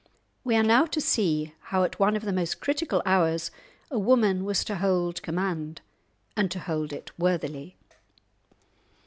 We are now to see how at one of the most critical hours a woman was to hold command, and to hold it worthily.